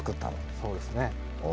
そうですね。